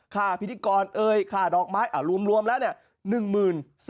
ค่าพิธีกรเอ่ยค่าดอกไม้รวมแล้วเนี่ย